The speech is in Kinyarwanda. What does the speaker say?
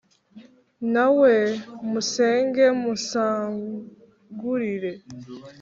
na we musenge, musagurire